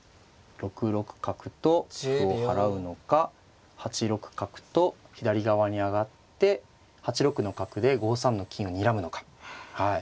６六角と歩を払うのか８六角と左側に上がって８六の角で５三の金をにらむのか。